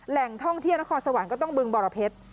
แหล่งท่องเที่ยวนครสวรรค์ก็ต้องบึงบรเพชร